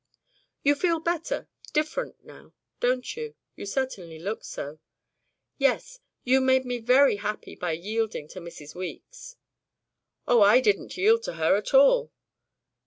"You feel better different now, don't you? You certainly look so." "Yes! You made me very happy by yielding to Mrs. Weeks." "Oh! I didn't yield to her at all."